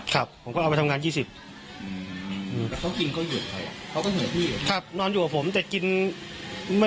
เขาก็หากินใครกินมา